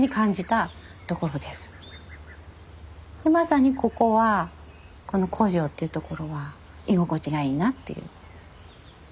でまさにここはこの湖上というところは居心地がいいなっていう。